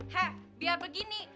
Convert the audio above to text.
hah biar begini